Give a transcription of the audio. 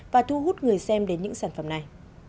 và thu hút người xem đến những sản phẩm này